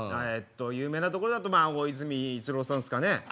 えっと有名なとこだとまあ大泉逸郎さんですかね。